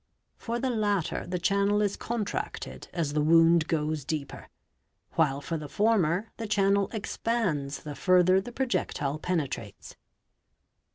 For the latter the channel is contracted as the wound goes deeper, while for the former the channel expands the further the projectile penetrates.